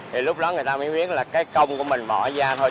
thì lúc đó người ta mới biết là cái công của mình bỏ ra thôi